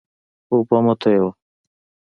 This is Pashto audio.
اوبه مه تویوه.